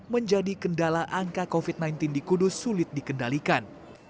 menjadi kendala angka covid sembilan belas di kudus sulit dikendalikan